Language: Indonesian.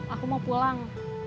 aku mau pulang